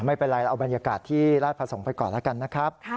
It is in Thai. ไม่เป็นไรเราเอาบรรยากาศที่ราชประสงค์ไปก่อนแล้วกันนะครับ